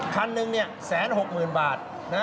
คันหนึ่ง๑๖๐๐๐บาท